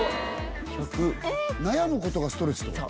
悩むことがストレスってこと？